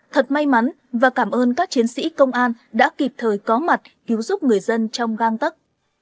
thật may mắn và cảm ơn các chiến sĩ công an đã kịp thời có mặt cứu giúp người dân trong găng tắc